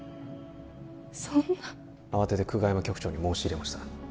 そんな慌てて久我山局長に申し入れました